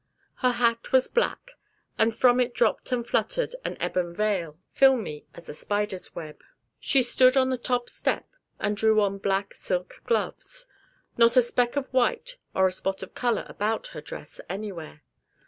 Her hat was black, and from it drooped and fluttered an ebon veil, filmy as a spider's web. She stood on the top step and drew on black silk gloves. Not a speck of white or a spot of color about her dress anywhere.